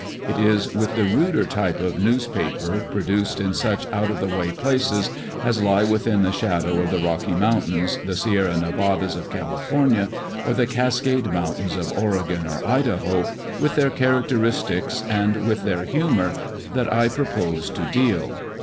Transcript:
It is with the ruder type of newspaper, produced in such out of the way places as lie within the shadow of the Rocky Mountains, the Sierra Nevadas of California, or the Cascade Mountains of Oregon or Idaho, with their characteristics, and with their humour, that I propose to deal.